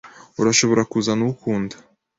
Urashobora kuzana uwo ukunda.